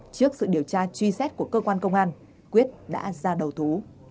trước sự điều tra truy xét của cơ quan công an quyết đã ra đầu thú